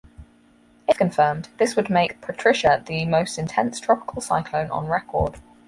If confirmed, this would make Patricia the most intense tropical cyclone on record.